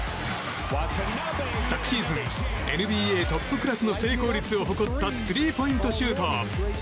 昨シーズン、ＮＢＡトップクラスの成功率を誇ったスリーポイントシュート。